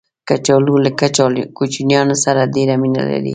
کچالو له کوچنیانو سره ډېر مینه لري